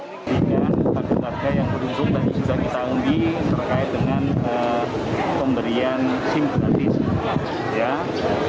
kita memiliki warga yang beruntung dan juga kita undi terkait dengan pemberian sim gratis